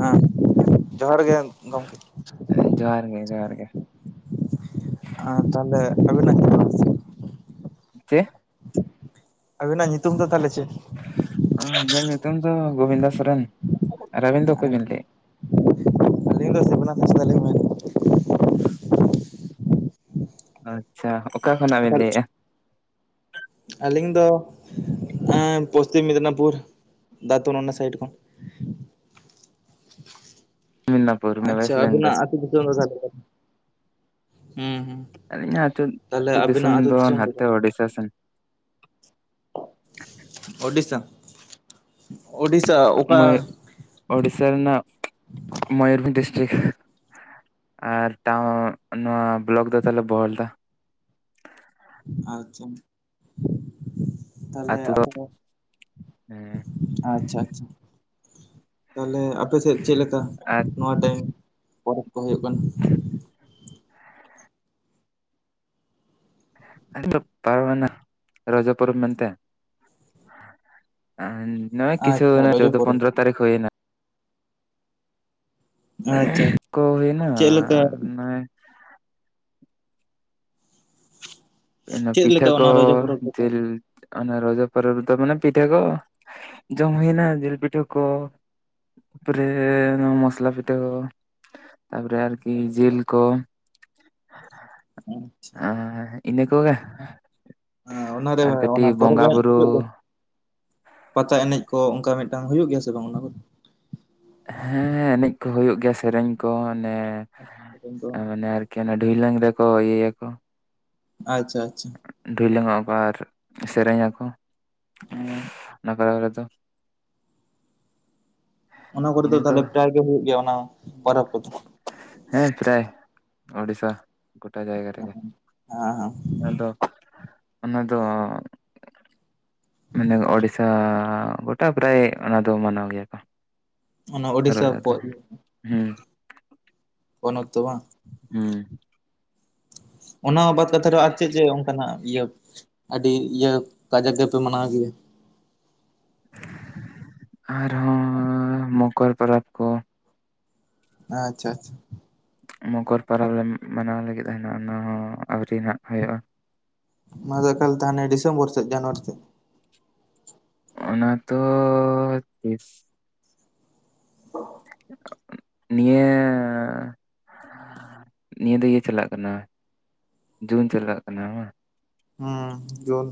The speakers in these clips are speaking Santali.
ᱦᱮᱸ ᱡᱚᱦᱟᱨ ᱜᱮ ᱜᱚᱢᱠᱮ ᱡᱚᱦᱟᱨ ᱜᱮ ᱡᱚᱦᱟᱨ ᱜᱮ ᱟᱨ ᱛᱟᱦᱚᱞᱮ ᱟᱹᱵᱤᱱᱟᱜ ᱪᱼᱟᱥ ᱪᱮᱫ ᱟᱵᱤᱱᱟᱜ ᱧᱩᱛᱩᱢ ᱫᱚ ᱛᱟᱦᱚᱞᱮ ᱪᱮᱫ? ᱤᱧᱟᱹᱜ ᱧᱩᱛᱩᱢ ᱫᱚ ᱜᱳᱵᱤᱱᱫᱚ ᱥᱚᱨᱮᱱ ᱟᱵᱤᱱ ᱫᱚ ᱚᱠᱚᱭ ᱵᱤᱱ ᱞᱟᱹᱭᱮᱫ ᱟᱹᱞᱤᱧ ᱫᱚ ᱥᱮᱢᱞᱟ ᱦᱟᱸᱥᱫᱟ ᱢᱮᱱ ᱮᱫᱟ ᱟᱪᱪᱷᱟ ᱚᱠᱟ ᱠᱷᱚᱱᱟᱜ ᱵᱤᱱ ᱮᱫᱟ᱾ ᱞᱟᱹᱭᱮᱜᱼᱟ ᱦᱮᱸ ᱯᱚᱥᱪᱤᱢ ᱢᱮᱫᱽᱱᱟᱯᱩᱨ ᱫᱟᱛᱩᱱ ᱚᱱᱟ ᱥᱟᱭᱤᱰ ᱠᱷᱚᱱ ᱢᱤᱫᱽᱱᱟᱯᱩᱨ ᱟᱪᱪᱷᱟ ᱳᱭᱮᱥᱴ ᱵᱮᱝᱜᱚᱞ ᱟᱵᱤᱱᱟᱜ ᱟᱹᱛᱩ ᱧᱩᱛᱩᱢ ᱫᱚ ᱛᱟᱦᱚᱞᱮ ᱚᱠᱟᱨᱮ ᱦᱮᱸ ᱦᱮᱸ ᱟᱹᱞᱤᱧᱟᱜ ᱟᱹᱛᱩ ᱛᱟᱦᱞᱮ ᱟᱹᱛᱩ ᱟᱵᱤᱱᱟᱜ ᱟᱹᱛᱩ ᱫᱤᱥᱚᱢ ᱫᱚ ᱱᱟᱛᱮ ᱳᱰᱤᱥᱟ ᱥᱮᱱ ᱚᱰᱤᱥᱥᱟ ᱢᱩ ᱳᱨᱤᱥᱟ ᱨᱮᱱᱟᱜ ᱢᱚᱭᱩᱨᱵᱷᱚᱸᱡᱽ ᱰᱤᱥᱴᱤᱠ ᱟᱨ ᱴᱟᱣᱩᱱ ᱱᱚᱣᱟ ᱵᱞᱚᱠ ᱫᱚ ᱛᱟᱦᱮᱞᱮ ᱵᱚᱦᱚᱞᱫᱟ ᱟᱪᱪᱷᱟ ᱛᱟᱦᱚᱞᱮ ᱟᱹᱛᱩ ᱫᱚ ᱟᱯᱮ ᱦᱮᱸ ᱟᱪᱪᱷᱟ ᱟᱪᱪᱷᱟ ᱛᱟᱦᱞᱮ ᱟᱯᱮ ᱥᱮᱫ ᱪᱮᱫᱞᱮᱠᱟ ᱟᱨ ᱱᱚᱣᱟ ᱴᱟᱭᱤᱢ ᱯᱚᱨᱚᱵᱽ ᱠᱚ ᱦᱩᱭᱩᱜ ᱠᱟᱱᱟ ᱟ ᱯᱟᱨᱚᱢᱱᱟ ᱨᱚᱡ ᱯᱚᱨᱚᱵ ᱢᱮᱱᱛᱮ ᱱᱚ ᱠᱤᱪᱷᱩ ᱟᱪᱪᱷᱟ ᱨᱚᱡᱚ ᱪᱳᱫᱳ ᱯᱚᱨᱚᱵᱽ ᱯᱚᱱᱫᱨᱚ ᱛᱟᱨᱤᱠᱷ ᱦᱩᱭ ᱮᱱᱟ ᱟᱪᱪᱷᱟ ᱠᱚ ᱦᱩᱭᱮᱱᱟ ᱪᱮᱫ ᱞᱮᱠᱟ ᱟᱨ ᱢᱟᱱᱮ ᱤᱱᱟ ᱪᱮᱫ ᱯᱤᱴᱷᱟᱹ ᱞᱮᱠᱟ ᱠᱚ ᱚᱱᱟ ᱨᱚᱡᱚ ᱯᱚᱨᱚᱵᱽ ᱨᱮᱫᱚ? ᱡᱤᱞ ᱚᱱᱟ ᱨᱚᱡᱚ ᱯᱚᱨᱚᱵ ᱨᱮᱫᱚ ᱢᱟᱱᱮ ᱯᱤᱴᱟ ᱠᱚ ᱡᱚᱢ ᱦᱩᱭᱮᱱᱟ ᱡᱤᱞ ᱯᱤᱴᱟ ᱠᱚ ᱛᱟᱨᱯᱚᱨᱮ ᱱᱚᱣᱟ ᱢᱚᱥᱞᱟ ᱯᱤᱴᱷᱟᱹ ᱛᱟᱨᱯᱚᱨᱮ ᱟᱨᱠᱤ ᱡᱤᱞ ᱠᱚ ᱟᱪᱪᱷᱟ ᱤᱱᱟᱹ ᱠᱚᱜᱮ ᱚᱱᱟᱨᱮ ᱟᱨ ᱠᱟᱹᱴᱤᱡ ᱚᱱᱟ ᱯᱚᱨᱚᱵ ᱵᱚᱸᱜᱟ ᱵᱩᱨᱩ ᱦᱩᱭᱩᱜ ᱫᱚ ᱯᱟᱛᱟ ᱮᱱᱮᱡ ᱠᱚ ᱚᱱᱠᱟ ᱢᱤᱫᱴᱟᱝ ᱦᱩᱭᱩᱜ ᱜᱮᱭᱟ ᱥᱮ ᱵᱟᱝ ᱚᱱᱟ ᱠᱚ ᱦᱮᱸ ᱮᱱᱮᱡ ᱠᱚ ᱦᱩᱭᱩᱜ ᱜᱮᱭᱟ ᱥᱮᱨᱮᱧ ᱠᱚ ᱚᱱᱮ ᱫᱚ? ᱢᱟᱱᱮ ᱟᱨᱠᱤ ᱚᱱᱟ ᱰᱷᱩᱭᱞᱟᱝ ᱨᱮᱠᱚ ᱤᱭᱟᱹᱭᱟᱠᱚ ᱟᱪᱪᱷᱟ ᱟᱪᱪᱷᱟ ᱰᱷᱤᱞᱟᱹᱝ ᱚᱜᱼᱟ ᱠᱚ ᱟᱨ ᱥᱮᱨᱮᱧᱟᱠᱚ ᱚᱱᱟ ᱠᱚ ᱛᱚ ᱚᱱᱟ ᱠᱚᱨᱮ ᱤᱱᱟᱹ ᱫᱚ ᱛᱟᱦᱚᱞᱮ ᱯᱨᱟᱭ ᱜᱮ ᱦᱩᱭᱩᱜ ᱜᱮᱭᱟ ᱚᱱᱟ ᱯᱚᱨᱚᱵᱽ ᱠᱚᱫᱚ? ᱦᱮᱸ ᱯᱨᱟᱭ ᱩᱲᱤᱥᱟ ᱜᱳᱴᱟ ᱡᱟᱭᱜᱟ ᱦᱮᱸ ᱨᱮᱜᱮ ᱦᱮᱸ ᱚᱱᱟ ᱫᱚ ᱚᱱᱟ ᱫᱚ ᱢᱟᱱᱮ ᱚᱲᱤᱥᱟ ᱜᱚᱴᱟ ᱯᱨᱟᱭ ᱚᱱᱟ ᱫᱚ ᱢᱟᱱᱟᱣ ᱜᱮᱭᱟ ᱠᱚ ᱚᱱᱟ ᱳᱰᱤᱥᱟ [unintelligible] ᱦᱮᱸ ᱩᱱ ᱚᱠᱛᱚ ᱵᱟᱝ ᱦᱩᱸ ᱚᱱᱟ ᱵᱟᱫ ᱠᱟᱛᱮᱫ ᱨᱮᱦᱚ ᱟᱨ ᱪᱮᱫ ᱪᱮᱫ ᱚᱱᱠᱟᱱᱟᱜ ᱤᱭᱟᱹ ᱟᱹᱰᱤ ᱤᱭᱟᱹ ᱠᱟᱡᱟᱠ ᱜᱮᱯᱮ ᱢᱟᱱᱟᱣ ᱜᱮᱭᱟ ᱟᱨᱦᱚᱸ ᱢᱚᱠᱚᱨ ᱯᱚᱨᱚᱵᱽ ᱠᱚ ᱟᱪᱪᱷᱟ ᱟᱪᱪᱷᱟ ᱢᱚᱠᱚᱨ ᱯᱚᱨᱚᱵᱽ ᱞᱮ ᱢᱟᱱᱟᱣ ᱞᱟᱹᱜᱤᱫ ᱞᱟᱹᱜᱤᱫ-ᱟ ᱚᱱᱟ ᱦᱚᱸ ᱟᱹᱣᱨᱤ ᱦᱟᱸᱜ ᱦᱩᱭᱩᱜ-ᱟ᱾ ᱱᱚᱣᱟ ᱫᱚ ᱮᱠᱟᱞ ᱛᱮ ᱦᱟᱱᱮ ᱰᱤᱥᱢᱵᱚᱨ ᱪᱮ ᱡᱟᱱᱣᱟᱨᱤ ᱥᱮ ᱚᱱᱟ ᱛᱚ ᱛᱤᱥ ᱱᱤᱭᱟᱹ ᱱᱤᱭᱟᱹ ᱫᱚ ᱤᱭᱟᱹ ᱪᱟᱞᱟᱜ ᱠᱟᱱᱟ ᱡᱩᱱ ᱪᱟᱞᱟᱜ ᱠᱟᱱᱟ ᱵᱟᱝ ᱦᱮᱸ ᱡᱩᱱ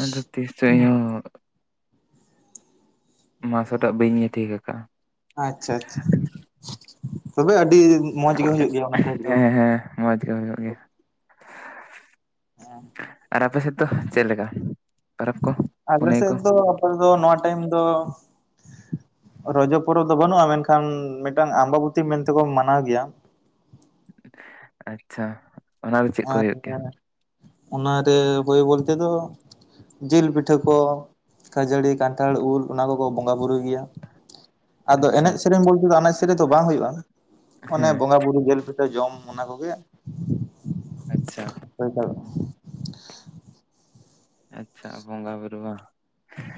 ᱟᱫᱚ ᱛᱤᱥ ᱪᱚ ᱦᱩᱭᱩᱜ ᱢᱟᱥ ᱴᱟᱜ ᱵᱟᱹᱧ ᱴᱷᱤᱠ ᱟᱠᱟᱫ-ᱟ᱾ ᱟᱪᱪᱷᱟ ᱟᱪᱪᱷᱟ ᱛᱚᱵᱮ ᱟᱹᱰᱤ ᱢᱚᱡᱽ ᱜᱮ ᱦᱩᱭᱩᱜ ᱜᱮᱭᱟ ᱚᱱᱟ ᱥᱟᱭᱤᱰ ᱫᱚ ᱵᱟᱝ ᱢᱚᱡᱽ ᱜᱮ ᱦᱩᱭᱩᱜ ᱜᱮᱭᱟ ᱦᱮᱸ ᱟᱨ ᱟᱯᱮ ᱥᱮᱫ ᱫᱚ ᱪᱮᱫ ᱞᱮᱠᱟ? ᱯᱚᱨᱚᱵᱽ ᱠᱚ ᱟᱞᱮ ᱯᱩᱱᱟᱹᱭ ᱠᱚ ᱥᱮᱫ ᱫᱚ ᱟᱯᱮ ᱫᱚ ᱱᱚᱣᱟ ᱴᱟᱭᱤᱢ ᱫᱚ ᱨᱚᱡᱚ ᱯᱚᱨᱚᱵᱽ ᱫᱚ ᱵᱟᱹᱱᱩᱜ-ᱟ ᱢᱮᱱᱠᱷᱟᱱ ᱢᱤᱫᱴᱟᱱ ᱟᱢᱵᱟᱵᱚᱛᱤ ᱢᱮᱱᱛᱮᱠᱚ ᱢᱟᱱᱟᱣ ᱜᱮᱭᱟ᱾ ᱟᱪᱪᱷᱟ ᱚᱱᱟ ᱫᱚ ᱪᱮᱫ ᱠᱚ ᱟᱨ ᱦᱩᱭᱩᱜ ᱜᱮᱭᱟ? ᱚᱱᱟᱨᱮ ᱦᱳᱭ ᱵᱚᱞᱛᱮ ᱫᱚ ᱡᱤᱞ ᱯᱤᱴᱷᱟᱹ ᱠᱚ ᱠᱷᱟᱹᱡᱟᱹᱲᱤ ᱠᱟᱱᱴᱷᱟᱲ ᱩᱞ ᱚᱱᱟ ᱠᱚᱠᱚ ᱵᱚᱸᱜᱟᱵᱩᱨᱩᱭ ᱜᱮᱭᱟ ᱟᱫᱚ ᱮᱱᱮᱡ ᱟᱪᱪᱷᱟ ᱥᱮᱨᱮᱧ ᱵᱚᱞᱛᱮ ᱫᱚ ᱮᱱᱮᱡ ᱥᱮᱨᱮᱧ ᱫᱚ ᱵᱟᱝ ᱦᱩᱭᱩᱜ-ᱟ ᱾ ᱚᱱᱮ ᱦᱮᱸ ᱵᱚᱸᱜᱟ ᱵᱩᱨᱩ ᱡᱤᱞ ᱯᱤᱴᱷᱟᱹ ᱡᱚᱢ ᱚᱱᱟ ᱠᱚᱜᱮ ᱟᱪᱪᱷᱟ ᱫᱟᱲᱮᱭᱟᱜᱼᱟ᱾ ᱟᱪᱪᱷᱟ ᱵᱚᱸᱜᱟ ᱵᱩᱨᱩ ᱵᱟᱝ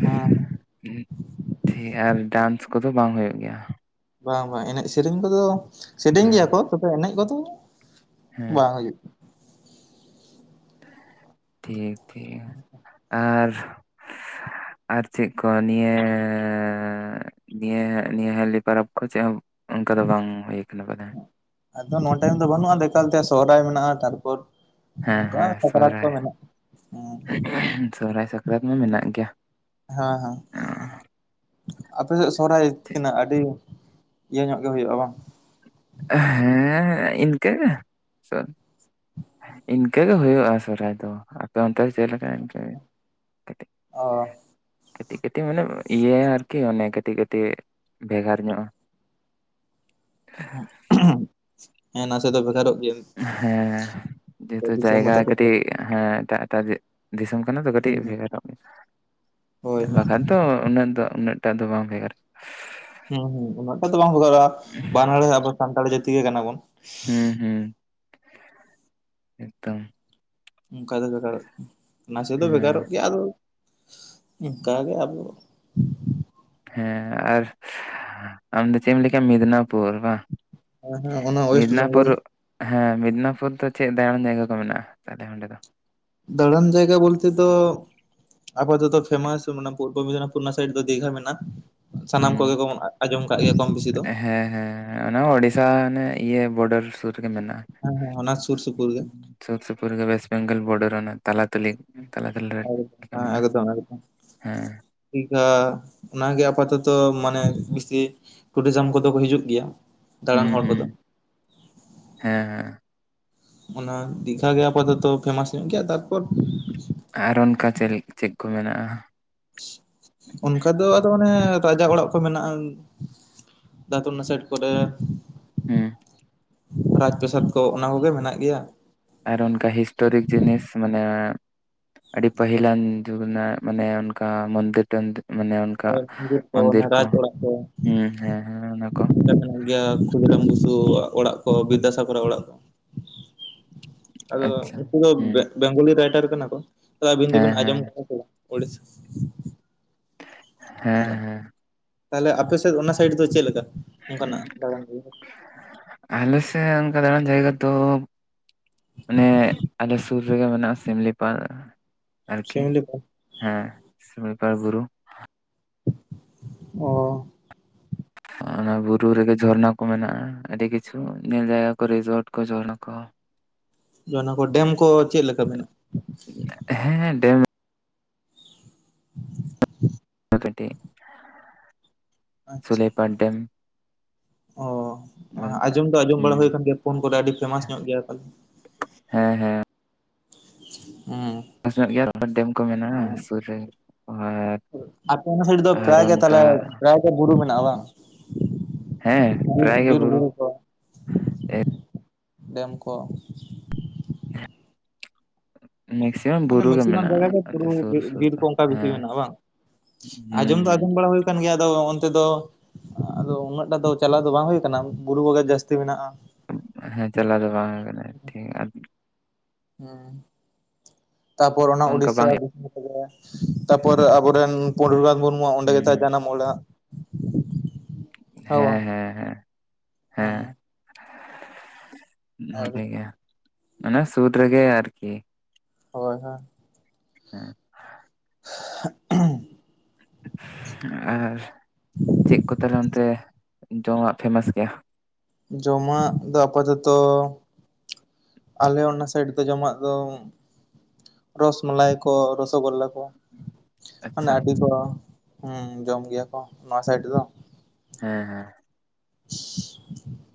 ᱦᱮᱸ ᱴᱷᱤᱠ ᱟᱨ ᱰᱟᱱᱥ ᱠᱚᱫᱚ ᱵᱟᱝ ᱦᱩᱭᱩᱜ ᱜᱮᱭᱟ ᱵᱟᱝ ᱵᱟᱝ ᱮᱱᱮᱡ ᱥᱮᱨᱮᱧ ᱠᱚᱫᱚ ᱥᱮᱨᱮᱧ ᱦᱮᱸ ᱜᱮᱭᱟ ᱠᱚ ᱛᱚᱵᱮ ᱮᱱᱮᱡ ᱠᱚᱫᱚ ᱦᱮᱸ ᱵᱟᱝ ᱦᱩᱭᱩᱜ ᱴᱷᱤᱠ ᱴᱷᱤᱠ ᱟᱨ ᱟᱨ ᱪᱮᱫ ᱠᱚ ᱱᱤᱭᱟᱹ ᱱᱤᱭᱟᱹ ᱱᱤᱭᱟᱹ ᱦᱟᱹᱞᱤ ᱯᱚᱨᱚᱵᱽ ᱠᱚ ᱪᱮᱫ ᱦᱚᱸ ᱚᱱᱠᱟ ᱫᱚ ᱵᱟᱝ ᱦᱩᱭ ᱠᱟᱱᱟ ᱵᱚᱞᱮ ᱮᱠᱟᱞ ᱛᱮ ᱥᱚᱦᱨᱟᱭ ᱢᱮᱱᱟᱜ-ᱟ ᱛᱟᱨᱯᱚᱨ ᱦᱮᱸ ᱦᱮᱸ ᱚᱱᱠᱟ ᱥᱟᱠᱨᱟᱛ ᱠᱚ ᱥᱚᱦᱨᱟᱭ ᱢᱮᱱᱟᱜᱼᱟ ᱦᱮᱸ ᱥᱚᱦᱚᱨᱟᱭ ᱥᱟᱠᱨᱟᱛ ᱢᱟ ᱢᱮᱱᱟᱜ ᱜᱮᱭᱟ᱾ ᱦᱮᱸ ᱦᱮᱸ ᱟᱯᱮ ᱥᱮᱫ ᱥᱚᱦᱨᱟᱭ ᱛᱤᱱᱟᱹᱜ ᱟᱹᱰᱤ ᱤᱭᱟᱹ ᱧᱚᱜ ᱜᱮ ᱦᱩᱭᱩᱜ-ᱟ ᱵᱟᱝ ᱦᱮᱸ ᱤᱱᱠᱟᱹᱜᱮ ᱥᱚ ᱤᱱᱠᱟᱹᱜ ᱜᱮ ᱦᱩᱭᱩᱜ-ᱟ ᱥᱚᱦᱨᱟᱭ ᱫᱚ ᱟᱯᱮ ᱚᱱᱛᱮ ᱨᱮ ᱪᱮᱫ ᱞᱮᱠᱟ ᱤᱱᱠᱟᱹ ᱠᱟᱹᱴᱤᱡ ᱚ ᱠᱟᱹᱴᱤᱡ ᱠᱟᱹᱴᱤᱡ ᱢᱟᱱᱮ ᱤᱭᱟᱹᱭᱟ ᱟᱨᱠᱤ ᱚᱱᱮ ᱠᱟᱹᱴᱤᱡ ᱠᱟᱹᱴᱤᱡ ᱵᱷᱮᱜᱟᱨ ᱧᱚᱜ-ᱟ᱾ [inaudible] ᱦᱮᱸ ᱱᱟᱥᱮ ᱫᱚ ᱵᱷᱮᱜᱟᱨᱚᱜ ᱜᱮᱭᱟ ᱦᱮᱸ ᱡᱮᱦᱮᱛᱩ ᱫᱤᱥᱚᱢ ᱦᱚᱸ ᱡᱟᱭᱜᱟ ᱛᱟᱠᱚ ᱫᱚ᱾ ᱠᱟᱹᱴᱤᱡ ᱦᱮᱸ ᱮᱴᱟᱜ ᱫᱤᱥᱚᱢ ᱠᱟᱱᱟ ᱫᱚ ᱠᱟᱹᱴᱤᱡ ᱦᱮᱸ ᱵᱷᱮᱜᱟᱨᱚᱜ ᱜᱮᱭᱟ ᱦᱳᱭ ᱦᱳᱭ ᱵᱟᱠᱷᱟᱱ ᱛᱚ ᱩᱱᱟᱹᱜ ᱫᱚ ᱩᱱᱟᱹᱜ ᱮᱴᱟᱜ ᱫᱚ ᱵᱟᱝ ᱵᱷᱮᱜᱟᱨ ᱦᱩᱸ ᱦᱩᱸ ᱩᱱᱟᱹᱜᱴᱟᱜ ᱫᱚᱚ ᱵᱟᱝ ᱵᱚᱫᱚᱞᱚᱜ ᱟ ᱵᱟᱱᱟᱦᱚᱲ ᱜᱮ ᱟᱵᱚ ᱥᱟᱱᱛᱟᱲ ᱡᱟᱹᱛᱤ ᱜᱮ ᱠᱟᱱᱟ ᱵᱚᱱ᱾ ᱦᱮᱸ ᱦᱩᱸ ᱮᱠᱫᱚᱢ᱾ ᱚᱱᱠᱟ ᱫᱚ ᱵᱷᱮᱜᱟᱨᱚᱜ ᱜᱮ ᱱᱟᱥᱮ ᱫᱚ ᱦᱮᱸ ᱵᱷᱮᱜᱟᱨᱚᱜ ᱜᱮᱭᱟ ᱟᱫᱚ ᱚᱝᱠᱟ ᱜᱮ ᱟᱵᱚ ᱦᱮᱸ ᱟᱨ ᱟᱢᱫᱚ ᱪᱮᱫ ᱮᱢ ᱞᱟᱹᱭ ᱠᱮᱜ ᱟ ᱢᱤᱫᱽᱱᱟᱯᱩᱨ ᱵᱟ? ᱦᱮᱸ ᱦᱮᱸ ᱚᱱᱟ ᱚᱭᱮᱥᱴ ᱵᱮᱝᱜᱚᱞ᱾ ᱦᱮᱸ ᱢᱤᱫᱽᱱᱟᱯᱩᱨ ᱫᱚ ᱪᱮᱫ ᱫᱟᱬᱟᱱ ᱡᱟᱭᱜᱟ ᱠᱚ ᱢᱮᱱᱟᱜᱼᱟ ᱛᱟᱦᱞᱮ ᱚᱸᱰᱮ ᱫᱚ? ᱫᱟᱲᱟᱱ ᱡᱟᱭᱜᱟ ᱵᱚᱞᱛᱮ ᱫᱚ ᱟᱵᱚ ᱫᱚ ᱛᱚ ᱯᱷᱮᱢᱟᱥ ᱢᱟᱱᱮ ᱯᱩᱨᱵᱚᱢᱤᱫᱽᱱᱟᱯᱩᱨ ᱨᱮᱱᱟᱜ ᱥᱟᱭᱤᱰ ᱫᱚ ᱫᱤᱜᱷᱟ ᱢᱮᱱᱟᱜ ᱟ ᱦᱚᱸᱻ ᱵᱮᱥᱤ ᱫᱚ ᱦᱮᱸ ᱦᱮᱸ ᱦᱮᱸ ᱚᱱᱟ ᱚᱰᱤᱥᱟ ᱚᱱᱮ ᱤᱭᱟᱹ ᱵᱳᱰᱟᱨ ᱥᱩᱨ ᱨᱮᱜᱮ ᱢᱮᱱᱟᱜᱼᱟ ᱦᱮᱸ ᱦᱮᱸ ᱚᱱᱟ ᱥᱩᱨ ᱥᱩᱯᱩᱨ ᱜᱮ ᱥᱩᱨ ᱥᱩᱯᱩᱨ ᱨᱮᱜᱮ ᱚᱭᱮᱥᱴ ᱵᱮᱝᱜᱚᱞ ᱵᱚᱨᱰᱟᱨ ᱛᱟᱞᱟ ᱛᱟᱞᱤ ᱛᱟᱞᱟ ᱛᱟᱞᱤ ᱨᱮ [unintelligible] ᱦᱮᱸ ᱢᱮᱱᱟᱜᱼᱟ ᱦᱮᱸ ᱦᱮ ᱚᱱᱟᱜᱮ ᱟᱯᱟᱛᱚᱛᱚ ᱢᱟᱱᱮ ᱵᱤᱥᱤ ᱴᱩᱨᱤᱡᱟᱢ ᱠᱚᱫᱚ ᱠᱚ ᱦᱤᱡᱩᱜ ᱜᱮᱭᱟᱹ᱾ ᱦᱩᱸ ᱦᱩᱸ ᱦᱮᱸ ᱦᱮᱸ ᱚᱱᱟ ᱫᱤᱜᱷᱟ ᱜᱮ ᱟᱯᱟᱛᱚᱛᱚ ᱯᱷᱮᱢᱟᱥ ᱧᱚᱜ ᱜᱮᱭᱟ ᱛᱟᱨᱯᱚᱨ ᱟᱨᱚ ᱚᱱᱠᱟ ᱪᱮᱫ ᱪᱮᱫ ᱠᱚ ᱢᱮᱱᱟᱜᱼᱟ? ᱚᱱᱠᱟ ᱫᱚ ᱟᱫᱚ ᱚᱱᱮᱻ ᱨᱟᱹᱡᱟᱜ ᱚᱲᱟᱜ ᱠᱚ ᱢᱮᱱᱟᱜᱼᱟ ᱫᱟᱛᱚᱱ ᱚᱱᱟ ᱥᱟᱭᱤᱰ ᱠᱚᱨᱮ᱾ ᱦᱩᱸᱻ ᱨᱟᱹᱡᱽ ᱯᱨᱚᱥᱟᱫᱽ ᱠᱚ ᱚᱱᱟ ᱠᱚᱜᱮ ᱢᱮᱱᱟᱹᱜ ᱜᱮᱭᱟ ᱟᱨ ᱚᱱᱠᱟ ᱦᱤᱥᱴᱚᱨᱤᱠ ᱡᱤᱱᱤᱥ ᱢᱟᱱᱮᱻ ᱟᱹᱰᱤ ᱯᱟᱹᱦᱤᱞᱟᱱ ᱡᱩᱜᱽ ᱨᱮᱱᱟᱜ ᱢᱟᱱᱮ ᱚᱱᱠᱟ ᱢᱚᱱᱫᱤᱨ ᱴᱚᱱᱫᱤᱨ ᱢᱟᱱᱮ ᱚᱱᱠᱟ ᱦᱳᱭ ᱢᱚᱱᱫᱤᱨ ᱚᱱᱟ ᱠᱚ ᱨᱟᱡᱽ ᱚᱲᱟᱜ ᱦᱩᱸ ᱦᱮᱸ ᱦᱮᱸ ᱚᱱᱟ ᱠᱚ ᱢᱮᱱᱟᱜ ᱜᱮᱭᱟ ᱠᱷᱩᱫᱤᱨᱟᱢ ᱵᱩᱥᱩ ᱣᱟᱜ ᱚᱲᱟᱜ ᱠᱚ ᱵᱤᱫᱽᱫᱟᱥᱟᱜᱚᱨ ᱟᱜ ᱚᱲᱟᱜ ᱠᱚ᱾ ᱟᱫᱚ ᱟᱪᱪᱷᱟ ᱩᱱᱠᱩ ᱫᱚ ᱦᱩᱸ ᱵᱮᱝᱜᱚᱞᱤ ᱨᱟᱭᱴᱟᱨ ᱠᱟᱱᱟᱠᱚ ᱛᱚ ᱟᱹᱵᱤᱱ ᱦᱮᱸ ᱫᱚᱵᱤᱱ ᱟᱸᱡᱚᱢ ᱦᱮᱸ ᱠᱟᱜ ᱠᱚᱣᱟ ᱥᱮ ᱵᱟᱝ ᱚᱰᱤᱥᱟ ᱦᱮᱸ ᱦᱮᱸ ᱛᱟᱦᱚᱞᱮ ᱟᱯᱮᱮᱥᱮᱫ ᱚᱱᱟ ᱥᱟᱭᱤᱰ ᱫᱚ ᱪᱮᱫ ᱞᱮᱠᱟ᱾ ᱚᱱᱠᱟᱱᱟᱜ ᱫᱟᱬᱟᱱ ᱟᱞᱮ ᱥᱮᱫ ᱚᱱᱠᱟ ᱫᱟᱬᱟᱱ ᱡᱟᱭᱜᱟ ᱛᱚ᱾ ᱚᱱᱮ ᱟᱞᱮ ᱥᱩᱨ ᱨᱮᱜᱮ ᱢᱮᱱᱟᱜᱼᱟ ᱥᱤᱢᱞᱤᱯᱟᱞ ᱾ ᱟᱨᱠᱤ ᱥᱤᱢᱞᱤ ᱠᱚ ᱦᱮᱸ ᱥᱤᱢᱞᱤᱯᱟᱞ ᱵᱩᱨᱩ᱾ ᱚᱻ ᱚᱱᱟ ᱵᱩᱨᱩ ᱨᱮᱜᱮ ᱡᱷᱚᱨᱱᱟᱹ ᱠᱚ ᱢᱮᱱᱟᱜᱼᱟ ᱟᱹᱰᱤ ᱠᱤᱪᱷᱩ ᱧᱮᱞ ᱡᱟᱹᱭᱜᱟᱠᱚ ᱨᱤᱡᱚᱴ ᱠᱚ ᱡᱷᱚᱨᱱᱟ ᱠᱚ᱾ ᱚᱱᱟ ᱠᱚ ᱰᱮᱢ ᱠᱚ ᱪᱮᱫ ᱞᱮᱠᱟ ᱢᱮᱱᱟᱜᱼᱟ ᱦᱮᱸ ᱰᱮᱢ ᱟᱯᱮ ᱴᱷᱮᱡ ᱥᱩᱞᱟᱹᱭ ᱯᱟᱲ ᱰᱮᱢ᱾ ᱚᱻ ᱢᱮᱱᱛᱮ ᱟᱸᱡᱚᱢ ᱫᱚ ᱟᱸᱡᱚᱢ ᱵᱟᱲᱟᱹ ᱦᱩᱸ ᱦᱩᱭ ᱟᱠᱟᱱ ᱜᱮᱭᱟ ᱯᱷᱳᱱ ᱠᱚᱨᱮ ᱟᱹᱰᱤ ᱯᱷᱮᱢᱟᱥ ᱧᱚᱜ ᱜᱮᱭᱟ ᱛᱟᱦᱚᱞᱮ᱾ ᱦᱮᱸ ᱦᱮᱸ ᱦᱩᱸ ᱧᱚᱜ ᱜᱮᱭᱟ ᱰᱮᱢ ᱠᱚ ᱢᱮᱱᱟᱜᱼᱟ ᱥᱩᱨ ᱨᱮ ᱟᱨ ᱟᱯᱮ ᱚᱱᱟ ᱥᱟᱭᱤᱰ ᱫᱚ ᱟᱨ ᱯᱨᱟᱭ ᱜᱮ ᱚᱱᱠᱟ ᱛᱟᱦᱚᱞᱮ ᱯᱨᱟᱭ ᱜᱮ ᱵᱩᱨᱩ ᱢᱮᱱᱟᱜᱼᱟ ᱵᱟᱝ? ᱦᱮᱸ ᱵᱤᱨ ᱯᱨᱟᱭ ᱜᱮ ᱵᱩᱨᱩ ᱵᱤᱨᱵᱩᱨᱩ ᱠᱚ᱾ ᱰᱮᱢ ᱠᱚᱻ᱾ ᱢᱮᱠᱥᱤᱢᱟᱢ ᱢᱟᱱᱮ ᱵᱩᱨᱩ ᱜᱮ ᱢᱮᱠᱥᱤᱢᱟᱢ ᱢᱮᱱᱟᱜᱼᱟ ᱡᱟᱭᱜᱟ ᱜᱮ ᱟᱞᱮ ᱵᱩᱨᱩ ᱥᱩᱨ ᱥᱩᱨ ᱵᱤᱨ ᱫᱚ ᱠᱚ ᱚᱱᱠᱟ ᱵᱮᱥᱤ ᱦᱮᱸ ᱢᱮᱱᱟᱜᱼᱟ ᱵᱟᱝ‌? ᱦᱩᱸ ᱟᱸᱡᱚᱢ ᱫᱚ ᱦᱩᱸ ᱟᱸᱡᱚᱢ ᱵᱟᱲᱟ ᱦᱩᱭ ᱠᱟᱱ ᱜᱮᱭᱟ ᱟᱫᱚ ᱛᱮᱫᱚ ᱟᱫᱚ ᱩᱱᱟᱹᱜᱴᱟᱜ ᱫᱚ ᱪᱟᱞᱟᱣ ᱫᱚ ᱵᱟᱝ ᱦᱩᱭ ᱠᱟᱱᱟ ᱵᱩᱨᱩ ᱠᱚᱜᱮ ᱡᱟᱹᱥᱛᱤ ᱢᱮᱱᱟᱜᱼᱟ ᱦᱮᱸ ᱪᱟᱞᱟᱣ ᱫᱚ ᱵᱟᱝ ᱦᱩᱭ ᱠᱟᱱᱟ ᱴᱷᱤᱠᱟ ᱦᱩ ᱛᱟᱯᱚᱨ ᱚᱱᱟ ᱚᱱᱠᱟ ᱩᱲᱤᱥᱥᱟ ᱵᱟᱝ ᱫᱤᱥᱚᱢ ᱨᱮᱜᱮ ᱛᱟᱯᱚᱨ ᱟᱵᱚᱨᱮᱱ ᱯᱚᱱᱰᱤᱛ ᱨᱚᱜᱷᱩᱱᱟᱛᱷ ᱢᱩᱨᱢᱩᱣᱟᱜ ᱚᱚᱱᱰᱮ ᱦᱩᱸ ᱜᱮᱛᱟᱭ ᱦᱩᱸ ᱡᱟᱱᱟᱢ ᱚᱲᱟᱜ ᱾ ᱦᱮᱸ ᱦᱮᱸ ᱦᱮᱸ᱾ ᱦᱮᱸ ᱚᱸᱻ ᱱᱚᱰᱮ ᱜᱮ ᱢᱟᱱᱮ ᱥᱩᱨ ᱨᱮ ᱜᱮ ᱟᱨᱠᱤ ᱦᱳᱭ ᱦᱳᱭ ᱦᱮᱸ ᱻ [unintelligible] ᱟᱨ ᱪᱮᱫ ᱠᱚ ᱛᱟᱦᱟᱞᱮ ᱚᱱᱛᱮ ᱡᱚᱢᱟᱜ ᱯᱷᱮᱢᱟᱥ ᱜᱮᱭᱟ ᱡᱚᱢᱟᱜ ᱫᱚ ᱟᱯᱟᱛᱚᱛᱚ ᱟᱞᱮ ᱚᱱᱟ ᱥᱟᱭᱤᱰ ᱫᱚ ᱡᱚᱢᱟᱜ ᱫᱚ ᱨᱚᱥᱢᱞᱟᱭ ᱠᱚ ᱨᱚᱥᱚᱜᱳᱞᱞᱟ ᱠᱚ ᱦᱟᱱᱮ ᱟᱪᱪᱷᱟ ᱟᱹᱰᱤ ᱠᱚ ᱦᱮ ᱡᱚᱢ ᱜᱮᱭᱟ ᱠᱚ ᱱᱚᱣᱟ ᱥᱟᱭᱤᱰᱫᱚ ᱦᱮᱸ ᱦᱮᱸ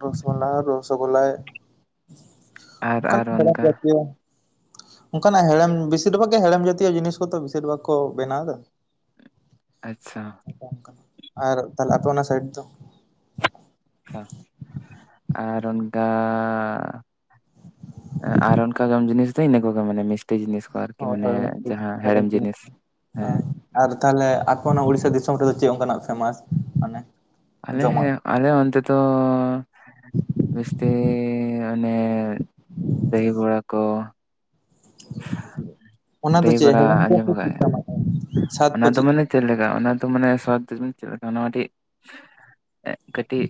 ᱨᱚᱥᱚᱢᱞᱟ ᱨᱚᱥᱚᱜᱳᱞᱞᱟᱭ ᱟᱨ ᱚᱱᱠᱟᱱᱟᱜ ᱟᱨ ᱚᱱᱠᱟ ᱵᱟᱨᱭᱟ ᱯᱮᱭᱟ ᱚᱱᱠᱟᱱᱟᱜ ᱦᱮᱲᱮᱢ ᱵᱮᱥᱤᱨ ᱵᱷᱟᱜᱽ ᱜᱮ ᱦᱮᱲᱮᱢ ᱡᱟᱛᱤᱭᱚ ᱡᱤᱱᱤᱥ ᱠᱚᱫᱚ ᱵᱮᱥᱤᱨ ᱵᱷᱟᱜᱽ ᱠᱚ ᱵᱮᱱᱟᱣ ᱮᱫᱟ ᱟᱪᱪᱷᱟ ᱟᱪᱪᱷᱟ ᱟᱨ ᱛᱟᱦᱞᱮ ᱟᱯᱮ ᱚᱱᱟ ᱥᱟᱭᱤᱰ ᱫᱚ ᱟᱪᱪᱷᱟ ᱟᱨ ᱚᱱᱠᱟ ᱟᱨ ᱚᱱᱠᱟ ᱡᱚᱢ ᱡᱤᱱᱤᱥ ᱫᱚ ᱤᱱᱟᱹ ᱠᱚᱜᱮ ᱢᱟᱱᱮ ᱢᱤᱥ ᱦᱳᱭ ᱦᱳᱭ ᱴᱷᱤᱠ ᱡᱤᱱᱤᱥ ᱦᱮᱸ ᱟᱨ ᱛᱟᱦᱮ ᱚᱱᱟ ᱩᱲᱤᱥᱥᱟ ᱫᱤᱥᱚᱢ ᱨᱮᱫᱚ ᱪᱮᱫ ᱚᱱᱠᱟᱱᱟᱜ ᱯᱷᱮᱢᱟᱥ ᱠᱟᱱᱟ ᱟᱞᱮ ᱟᱞᱮ ᱚᱱᱛᱮ ᱫᱚ ᱡᱟᱥᱛᱤ ᱢᱟᱱᱮ ᱰᱟᱹᱦᱤ ᱵᱚᱲᱟ ᱠᱚ ᱚᱱᱟ ᱫᱚ ᱫᱟᱹᱦᱤ ᱪᱮᱫ ᱵᱚᱲᱟ ᱦᱮᱫ ᱜᱮᱭᱟ ᱟᱸᱡᱚᱢ ᱟᱠᱟᱫ ᱪᱮᱫ ᱠᱟᱱᱟᱜ ᱠᱟᱱᱟ ᱥᱟᱫ ᱠᱚ ᱚᱱᱟ ᱫᱚ ᱢᱟᱱᱮ ᱪᱮᱫ ᱞᱮᱠᱟ ᱚᱱᱟ ᱫᱚ ᱢᱟᱱᱮ ᱥᱚᱫ ᱪᱮᱫ ᱞᱮᱠᱟ ᱱᱚᱣᱟ ᱴᱤᱡ ᱠᱟᱹᱴᱤᱡ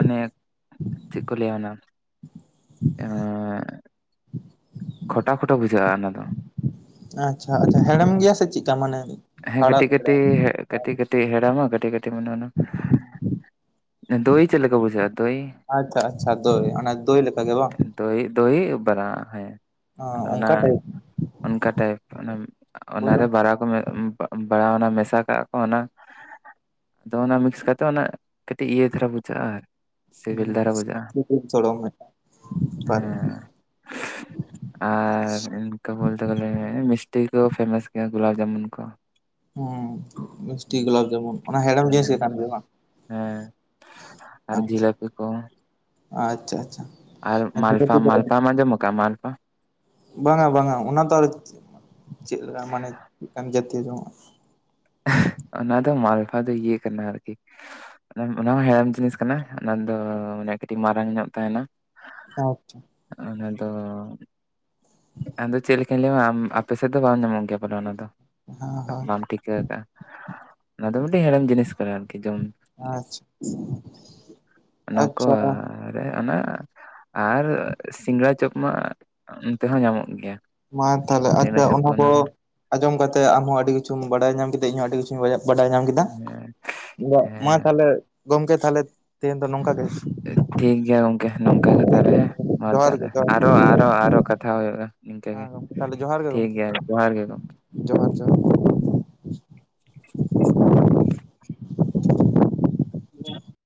ᱚᱱᱮ ᱪᱮᱫ ᱠᱚ ᱞᱟᱹᱭᱟ ᱚᱱᱟ ᱠᱷᱚᱴᱟ ᱠᱷᱚᱴᱟ ᱵᱩᱡᱷᱟᱹᱜᱼᱟ ᱚᱱᱟ ᱫᱚ ᱟᱪᱪᱷᱟ ᱟᱪᱪᱷᱟ ᱦᱮᱲᱮᱢ ᱜᱮᱭᱟ ᱥᱮ ᱪᱮᱫ ᱦᱮᱸ ᱠᱟᱹᱴᱤᱡ ᱠᱟᱹᱴᱤᱡ ᱠᱟᱹᱴᱤᱡ ᱠᱟᱹᱴᱤᱡ ᱦᱮᱲᱟᱢ ᱟ ᱫᱳᱭ ᱪᱮᱫ ᱞᱮᱠᱟ ᱵᱩᱡᱟᱜ ᱟ ᱫᱳᱭ ᱟᱪᱪᱷᱟ ᱟᱪᱪᱷᱟ ᱫᱳᱭ ᱚᱱᱟ ᱫᱳᱭ ᱞᱮᱠᱟ ᱜᱮ ᱵᱟᱝ ᱫᱳᱭ ᱫᱳᱭ ᱵᱟᱨᱟ ᱦᱮᱸ ᱟᱫᱚ ᱚᱱᱟ ᱚᱱᱠᱟ ᱴᱟᱭᱤᱯ ᱚᱱᱠᱟ ᱴᱟᱭᱤᱯ ᱚᱱᱟ ᱯᱩᱨᱟᱹ ᱚᱱᱟᱨᱮ ᱵᱟᱲᱟ ᱠᱚ ᱵᱟᱲᱟᱣᱱᱟ ᱢᱮᱥᱟ ᱠᱟᱜᱼᱟ ᱠᱚ ᱚᱱᱟ ᱟᱫᱚ ᱚᱱᱟ ᱢᱤᱠᱥ ᱠᱟᱛᱮ ᱚᱱᱟ ᱠᱟᱹᱴᱤᱡ ᱤᱭᱟᱹ ᱫᱷᱟᱨᱟ ᱵᱩᱡᱷᱟᱹᱜᱼᱟ ᱟᱨ ᱦᱩᱸ ᱥᱤᱵᱤᱞ ᱫᱷᱟᱨᱟ ᱵᱩᱡᱷᱟᱹᱜᱼᱟ ᱥᱤᱵᱤᱞ ᱥᱚᱲᱚᱢ ᱢᱤᱫᱴᱟᱝ ᱵᱮᱯᱟᱨ ᱦᱮᱸ ᱟᱨ ᱤᱱᱠᱟ ᱵᱚᱞᱛᱮ ᱢᱤᱥᱴᱤ ᱠᱚ ᱯᱷᱮᱢᱟᱥ ᱜᱮᱭᱟ ᱜᱩᱞᱟᱵ ᱡᱟᱢᱩᱱ ᱠᱚ ᱦᱮᱸ ᱢᱤᱥᱴᱤ ᱜᱩᱞᱟᱯ ᱡᱟᱢᱩᱱ ᱚᱱᱟ ᱦᱮᱲᱮᱢ ᱡᱤᱱᱤᱥ ᱜᱮ ᱠᱟᱱ ᱦᱮᱸ ᱜᱮᱭᱟ ᱵᱟᱝ ᱦᱮᱸ ᱟᱨ ᱟᱪᱪᱷᱟ ᱡᱷᱤᱞᱟᱹᱯᱤ ᱠᱚ ᱟᱪᱪᱷᱟ ᱟᱪᱪᱷᱟ ᱟᱨ ᱢᱟᱞᱯᱟ ᱡᱷᱤᱞᱟᱹᱯᱤ ᱫᱚ ᱢᱟᱞᱯᱟ ᱢᱟ ᱡᱚᱢᱠᱟᱟᱜ ᱢᱟᱞᱯᱟ ᱵᱟᱝᱟ ᱵᱟᱝᱟ ᱚᱱᱟ ᱛ ᱟᱨ ᱪᱮᱫ ᱞᱮᱠᱟ ᱢᱟᱱᱮ ᱪᱮᱫ ᱡᱟᱹᱛᱤ ᱡᱚᱝ ᱚᱱᱟ ᱫᱚ ᱢᱟᱞᱯᱷᱟ ᱫᱚ ᱤᱭᱟᱹ ᱠᱟᱱᱟ ᱟᱨᱠᱤ ᱚᱱᱟ ᱦᱚᱸ ᱦᱮᱲᱮᱢ ᱡᱤᱱᱤᱥ ᱠᱟᱱᱟ ᱚᱱᱟ ᱫᱚ ᱢᱟᱱᱮ ᱠᱟᱹᱴᱤᱡ ᱢᱟᱨᱟᱝ ᱧᱚᱜ ᱛᱟᱦᱮᱱᱟ ᱟᱪᱪᱷᱟ ᱚᱱᱟ ᱫᱚ ᱟᱫᱚ ᱪᱮᱫ ᱞᱮᱠᱟᱧ ᱞᱟᱹᱭᱟᱢᱟ ᱟᱯᱮ ᱥᱮᱫ ᱫᱚ ᱵᱟᱢ ᱧᱟᱢᱚᱜ ᱜᱮᱭᱟ ᱵᱚᱞᱮ ᱚᱱᱟ ᱫᱚ ᱦᱮᱸ ᱦᱮᱸ ᱵᱟᱢ ᱴᱷᱤᱠᱟ ᱚᱱᱟ ᱫᱚ ᱢᱤᱫᱴᱟᱝ ᱦᱮᱲᱮᱢ ᱡᱤᱱᱤᱥ ᱠᱚ ᱟᱨᱠᱤ ᱡᱚᱢ ᱟᱪᱪᱷᱟ ᱱᱟ ᱠᱚ ᱟᱪᱪᱷᱟ ᱚᱱᱟ ᱟᱨ ᱥᱤᱸᱜᱲᱟ ᱪᱚᱯ ᱢᱟ ᱚᱱᱛᱮ ᱦᱚᱸ ᱧᱟᱢᱚᱜ ᱜᱮᱭᱟ ᱢᱟ ᱛᱟᱦᱞᱮ ᱥᱤᱸᱜᱟᱲᱟ ᱟᱪᱪᱷᱟ ᱪᱚᱯ ᱚᱱᱟ ᱠᱚ ᱦᱚᱸ ᱟᱸᱡᱚᱢ ᱠᱟᱛᱮ ᱟᱢᱦᱚᱸ ᱟᱹᱰᱤ ᱠᱤᱪᱷᱩ ᱵᱟᱰᱟᱭ ᱧᱟᱢ ᱠᱮᱫᱟ ᱤᱧᱦᱚᱸ ᱟᱹᱰᱤ ᱠᱤᱪᱷᱩᱧ ᱵᱟᱡᱟᱭ ᱵᱟᱰᱟᱭ ᱧᱟᱢ ᱠᱮᱫᱟ ᱦᱮᱸ ᱢᱟ ᱦᱮᱸ ᱛᱟᱦᱚᱞᱮ ᱜᱚᱝᱠᱮ ᱛᱟᱦᱚᱞᱮ ᱛᱮᱦᱮᱧ ᱫᱚ ᱱᱚᱝᱠᱟ ᱜᱮ ᱴᱷᱤᱠ ᱜᱮᱭᱟ ᱜᱚᱝᱠᱮ ᱱᱚᱝᱠᱟ ᱜᱮ ᱛᱟᱦᱚᱞᱮ ᱦᱮᱸ ᱢᱟ ᱡᱚᱦᱟᱨ ᱜᱮ ᱛᱟᱦᱚᱞᱮ ᱡᱚᱦᱟᱨ ᱟᱨᱚ ᱟᱨᱚ ᱟᱨᱚ ᱠᱟᱛᱷᱟ ᱦᱩᱭᱩᱜᱼᱟ ᱱᱤᱝᱠᱟᱹ ᱜᱮ ᱦᱮᱸ ᱜᱚᱢᱠᱮ ᱛᱟᱦᱞᱮ ᱡᱚᱦᱟᱨ ᱜᱮ ᱴᱷᱤᱠ ᱜᱚᱢᱠᱮ ᱜᱮᱭᱟ ᱡᱚᱦᱟᱨ ᱜᱮ ᱜᱚᱝᱠᱮ ᱡᱚᱦᱟᱨ ᱡᱚᱦᱟᱨ [unintelligible] [unintelligible]